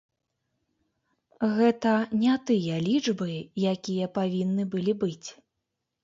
Гэта не тыя лічбы, якія павінны былі быць.